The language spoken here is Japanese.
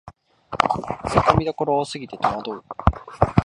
ツッコミどころ多すぎてとまどう